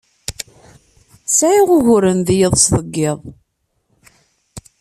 Sɛiɣ uguren d yiḍes deg yiḍ.